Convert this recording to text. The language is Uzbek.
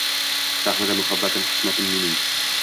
Sahnada “muhabbatim – qismatim mening”